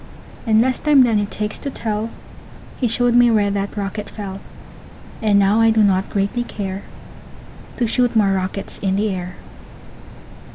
In less time than it takes to tell, He showed me where that rocket fell; And now I do not greatly care To shoot more rockets in the air.